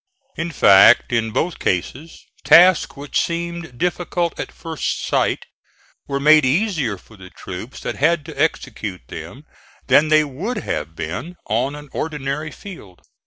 In fact, in both cases, tasks which seemed difficult at first sight were made easier for the troops that had to execute them than they would have been on an ordinary field.